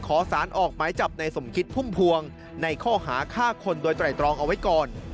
ขอสารออกหมายจับในสมคิดพุ่มพวงในข้อหาฆ่าคนโดยไตรตรองเอาไว้ก่อน